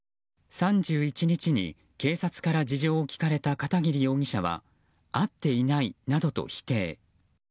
３１日に警察から事情を聴かれた片桐容疑者は会っていないなどと否定。